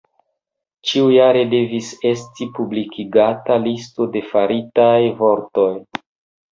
Ĉiujare devis esti publikigata listo de faritaj vortoj.